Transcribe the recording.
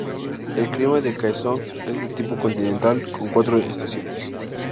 El clima de Kaesong es de tipo continental con cuatro estaciones.